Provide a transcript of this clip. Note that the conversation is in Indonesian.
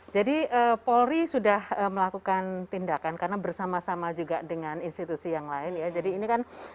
jadi polri sudah melakukan tindakan karena bersama sama juga dengan institusi yang lain